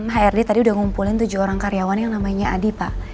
hrd tadi udah ngumpulin tujuh orang karyawan yang namanya adi pak